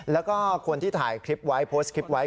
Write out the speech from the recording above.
แล้วก็คนที่ถ่ายคลิปไว้โพสต์คลิปไว้